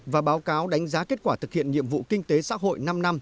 và báo cáo đánh giá kết quả thực hiện nhiệm vụ kinh tế xã hội năm năm